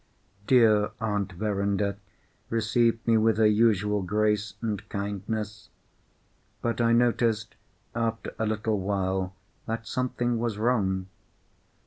Dear Aunt Verinder received me with her usual grace and kindness. But I noticed, after a little while, that something was wrong.